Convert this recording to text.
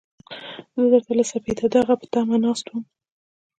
زه درته له سپېده داغه په تمه ناست وم.